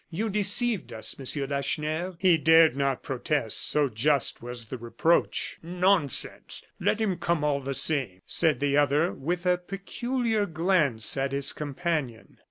You deceived us, Monsieur Lacheneur." He dared not protest, so just was the reproach. "Nonsense! let him come all the same," said the other, with a peculiar glance at his companion.